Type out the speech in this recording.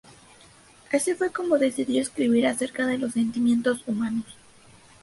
Así fue como decidió escribir acerca de los sentimientos humanos.